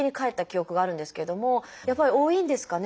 やっぱり多いんですかね